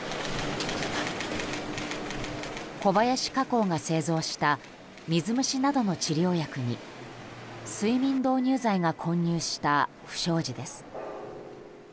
小林化工が製造した水虫などの治療薬に睡眠導入剤が混入した不祥事です。